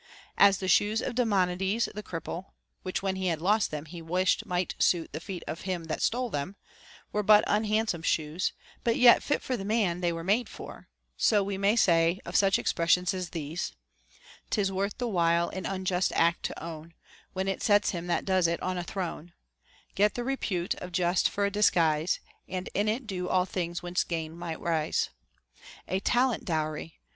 As the shoes of Demonides the cripple (which, when he had lost them, he wished might suit the feet of him that stole them) were but unhandsome shoes, but yet fit for the man they were made for ; so we may say of such expressions as these :— 'Tis worth the while an unjust act to own, When it sets him that does it on a throne ;* Get the repute of Just for a disguise, And in it do all things whence gain may rise ; A talent dowry